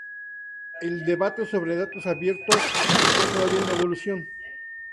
El debate sobre Datos abiertos está todavía en evolución.